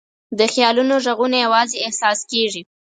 د خیالونو ږغونه یواځې احساس کېږي.